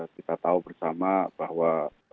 kita tahu bersama bahwa